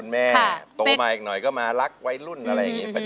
ด้านล่างเขาก็มีความรักให้กันนั่งหน้าตาชื่นบานมากเลยนะคะ